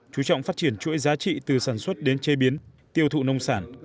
chú trọng phát triển chuỗi giá trị từ sản xuất đến chế biến tiêu thụ nông sản